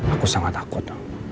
aku sangat takut